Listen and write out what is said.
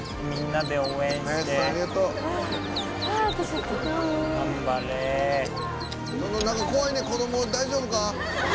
なんか怖いねん子供大丈夫か？